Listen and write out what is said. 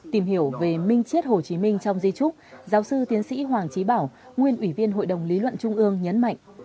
tìm hiểu về minh chiết hồ chí minh trong di trúc giáo sư tiến sĩ hoàng trí bảo nguyên ủy viên hội đồng lý luận trung ương nhấn mạnh